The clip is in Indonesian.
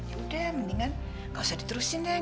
ya udah mendingan gak usah diterusin kan